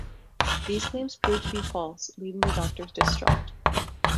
These claims prove to be false, leaving the Doctor distraught.